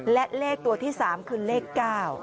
และเลขตัวที่๓คือเลข๙